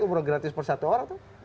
umroh gratis per satu orang tuh